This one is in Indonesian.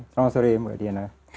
selamat sore mbak diana